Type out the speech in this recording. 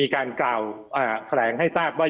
การกล่าวแถลงให้ทราบว่า